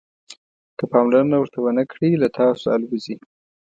که پاملرنه ورته ونه کړئ له تاسو الوزي.